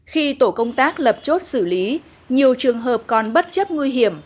khi tổ công tác lập chốt xử lý nhiều trường hợp còn bất chấp nguy hiểm